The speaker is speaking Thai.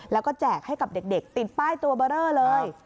แล้วก็แจกให้กับเด็กติดป้ายตัวเบอร์เรอเลย